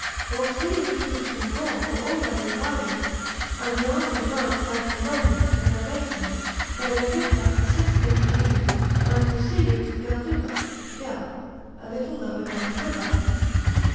Auxiliary troops from Gaul were already arriving, and the army advanced by Colonia to Novassium, where they picked up the XVIth legion, and proceeded to Gelduba (Gelb), a little lower down the river.